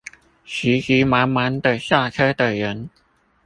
急急忙忙地下車的人